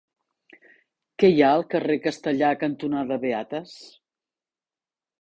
Què hi ha al carrer Castellar cantonada Beates?